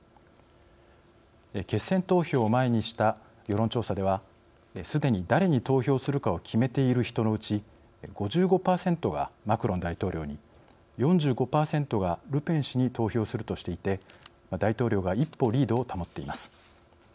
決選投票を前にした世論調査ではすでに誰に投票するかを決めている人のうち５５％がマクロン大統領に４５％がルペン氏に投票するとしていて大統領が一歩リードを保っています。